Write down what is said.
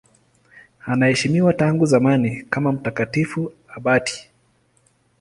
Anaheshimiwa tangu zamani kama mtakatifu abati.